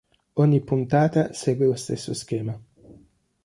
Ogni puntata segue lo stesso schema.